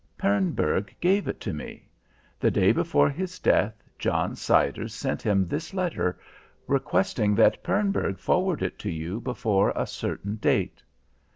"Pernburg gave it to me. The day before his death John Siders sent him this letter, requesting that Pernburg forward it to you before a certain date.